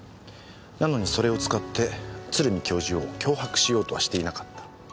なのにそれを使って鶴見教授を脅迫しようとはしていなかった。